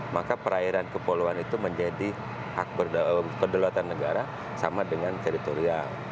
maka perairan kepulauan itu menjadi hak kedaulatan negara sama dengan teritorial